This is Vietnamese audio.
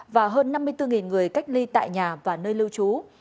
và hơn năm mươi bốn người cách ly tại nhà và nơi lưu trú